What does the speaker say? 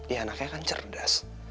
mungkin dia akan berubah